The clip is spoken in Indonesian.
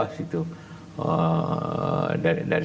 dari sana kedua tentu biayanya mahal sekali